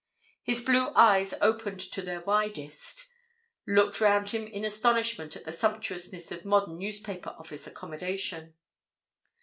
His blue eyes, opened to their widest, looked round him in astonishment at the sumptuousness of modern newspaper office accommodation.